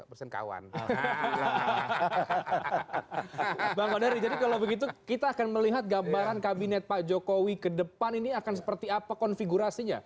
bang odari jadi kalau begitu kita akan melihat gambaran kabinet pak jokowi ke depan ini akan seperti apa konfigurasinya